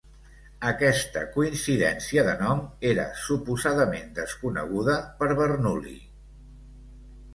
Aquesta coincidència de nom era suposadament desconeguda per Bernoulli.